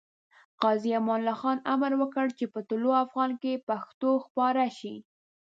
غازي امان الله خان امر وکړ چې په طلوع افغان کې پښتو خپاره شي.